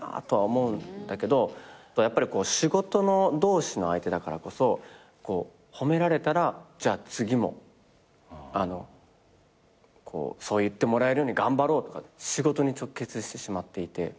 やっぱりこう仕事同士の相手だからこそ褒められたらじゃあ次もそう言ってもらえるように頑張ろうとか仕事に直結してしまっていて。